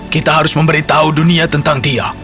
kita harus memberitahu dunia tentang dia